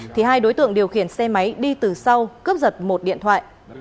thì hai đối tượng điều khiển xe máy đi từ sau cướp giật một điện thoại